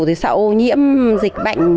thì sợ ô nhiễm dịch bệnh